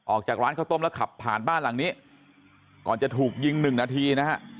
ออกจากร้านข้าวต้มแล้วขับผ่านบ้านหลังนี้ก่อนจะถูกยิงหนึ่งนาทีนะฮะ